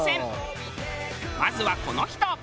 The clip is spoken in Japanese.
まずはこの人。